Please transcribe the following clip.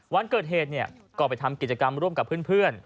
วันเกิดเหตุก็ไปทำกิจกรรมร่วมกับเพื่อน